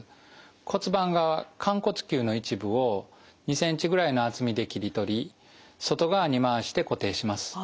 骨盤側寛骨臼の一部を２センチぐらいの厚みで切り取り外側に回して固定します。